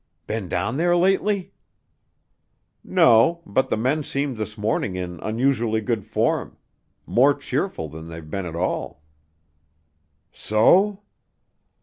"Been down there lately?" "No; but the men seemed this morning in unusually good form. More cheerful than they've been at all." "So?"